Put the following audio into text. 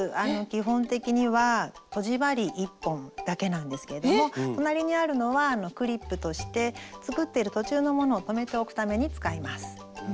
基本的にはとじ針１本だけなんですけれども隣にあるのはクリップとして作ってる途中のものを留めておくために使います。